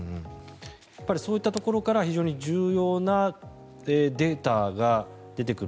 そういったところから非常に重要なデータが出てくる。